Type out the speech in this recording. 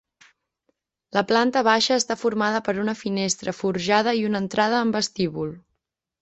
La planta baixa està formada per una finestra forjada i una entrada amb vestíbul.